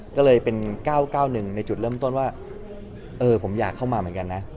ก็เลยเป็น๙๙๑ในจุดเริ่มต้นว่าผมอยากเข้ามาเหมือนกันนะ